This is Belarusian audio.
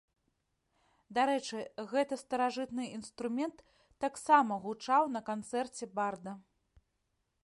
Дарэчы, гэты старажытны інструмент таксама гучаў на канцэрце барда.